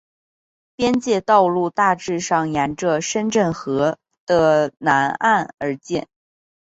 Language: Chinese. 边界道路大致上沿着深圳河的南岸而建。